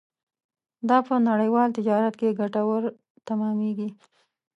دا په نړیوال تجارت کې ګټور تمامېږي.